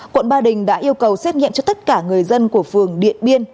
quận ba đình đã yêu cầu xét nghiệm cho tất cả người dân của phường điện biên